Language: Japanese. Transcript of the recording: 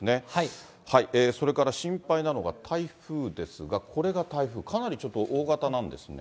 それから心配なのが、台風ですが、これが台風、かなりちょっと大型なんですね。